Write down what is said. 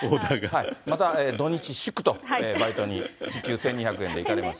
また土日祝とバイトに時給１２００円でいかれます。